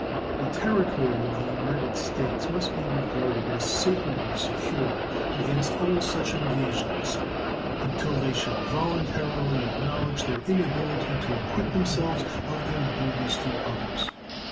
The territory of the United States must be regarded as sacredly secure against all such invasions until they shall voluntarily acknowledge their inability to acquit themselves of their duties to others.